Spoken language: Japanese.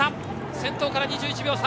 先頭から２１秒差。